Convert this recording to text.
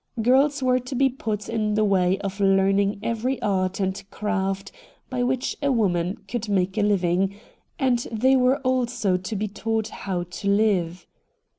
Girls were to be put in the way of learning every art and craft by which a woman could VOL. I. L 146 RED DIAMONDS make a living ; and they were also to be taught how to live.